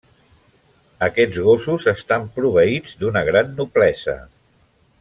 Aquests gossos estan proveïts d'una gran noblesa.